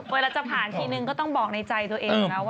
เวลาจะผ่านทีนึงก็ต้องบอกในใจตัวเองนะว่า